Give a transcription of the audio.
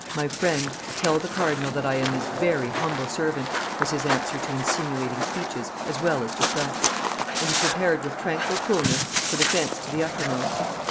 "My friend, tell the cardinal that I am his very humble servant," was his answer to insinuating speeches as well as to threats; and he prepared with tranquil coolness for defence to the uttermost.